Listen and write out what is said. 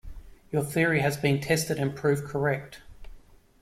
Your theory has been tested and proved correct.